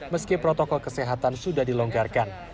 meski protokol kesehatan sudah dilonggarkan